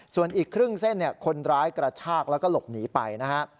ส่วนอีกครึ่งเส้นคนร้ายกระชากแล้วก็หลบหนีไปนะฮะ